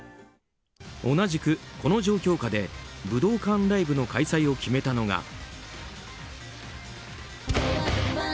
同じく、この状況下で武道館ライブの開催を決めたのが。